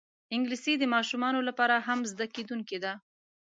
انګلیسي د ماشومانو لپاره هم زده کېدونکی ده